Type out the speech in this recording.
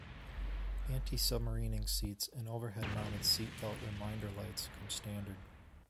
Anti-submarining seats and overhead-mounted seat belt reminder lights come standard.